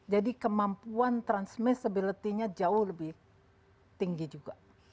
jadi kemampuan transmissibility nya jauh lebih tinggi juga